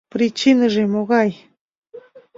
Причиныже могай?